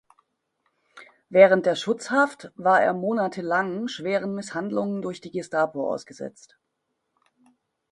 Während der „Schutzhaft“ war er monatelang schweren Misshandlungen durch die Gestapo ausgesetzt.